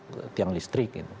kita menabrak tiang listrik